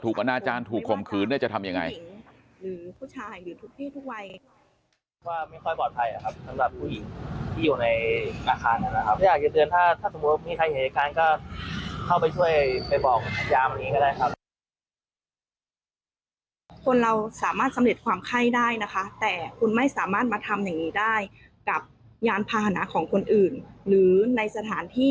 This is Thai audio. ถูกอนาจารย์ถูกข่มขืนได้จะทำยังไง